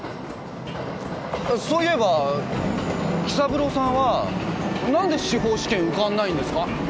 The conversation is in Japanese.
そういえば紀三郎さんは何で司法試験受かんないんですか？